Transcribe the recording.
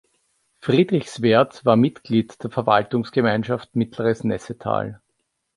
Friedrichswerth war Mitglied der Verwaltungsgemeinschaft Mittleres Nessetal.